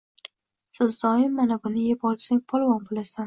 Siz doim mana buni yeb olsang polvon boʻlasan.